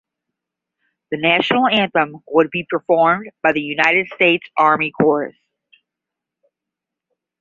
The national anthem would be performed by the United States Army Chorus.